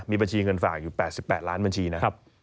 มีบัญชีเงินฝากอยู่๘๘ล้านบัญชีนะครับ